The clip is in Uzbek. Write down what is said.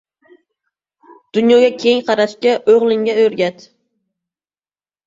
– dunyoga keng qarashga o'g'lingga o'rgat;